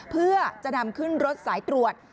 เพื่อจะนำขึ้นรถสายตรวจ